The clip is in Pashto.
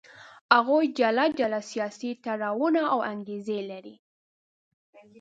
هغوی جلا جلا سیاسي تړاوونه او انګېزې لري.